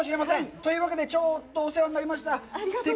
というわけで、ちょっとお世話になりました。